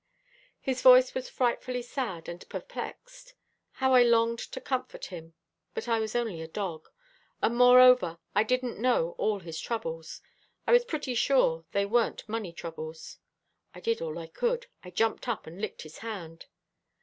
His voice was frightfully sad and perplexed. How I longed to comfort him, but I was only a dog and moreover, I didn't know all his troubles. I was pretty sure they weren't money troubles. I did all I could. I jumped up, and licked his hand.